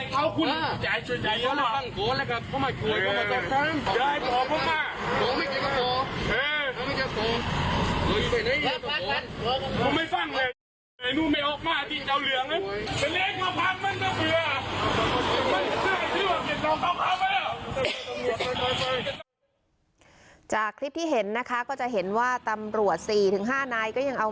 จากนั้นขี่รถจักรยานยนต์จากไปค่ะไปดูคลิปภาพเหตุการณ์นี้กันก่อนเลยค่ะ